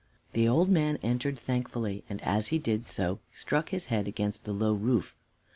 The old man entered thankfully, and, as he did so, struck his head against the low roof.